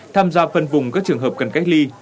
tham gia phân vùng các trường hợp cần cách ly